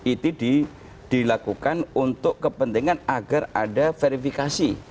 itu dilakukan untuk kepentingan agar ada verifikasi